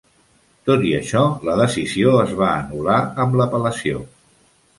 Tot i això, la decisió es va anul·lar amb l'apel·lació.